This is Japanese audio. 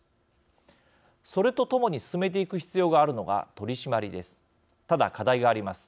それとともに進めていく必要があるのが取り締まりです。